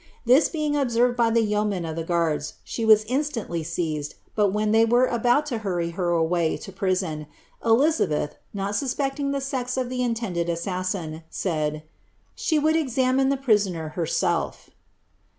This being observed by the yeomen of the guards, she was instantly seized, but when they were about to htirry her away to prison, Elizabeth, not suspecting the sex of the intended assassin, said ' she would examine the prisoner herself."